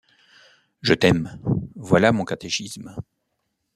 Je t’aime! voilà mon catéchisme.